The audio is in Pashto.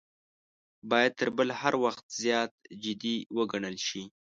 باید تر بل هر وخت زیات جدي وګڼل شي.